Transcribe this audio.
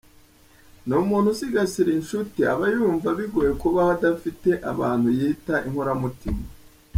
Ni umuntu usigasira inshuti, aba yumva bigoye kubaho adafite abantu yita inkoramutima.